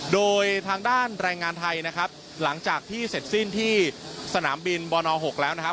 โดยทางด้านแรงงานไทยนะครับหลังจากที่เสร็จสิ้นที่สนามบินบน๖แล้วนะครับ